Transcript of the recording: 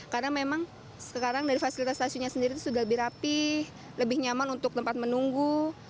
karena memang sekarang dari fasilitas stasiunnya sendiri sudah lebih rapi lebih nyaman untuk tempat menunggu